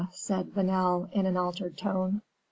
said Vanel, in an altered tone.